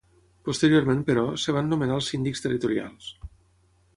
Posteriorment, però, es van nomenar els síndics territorials.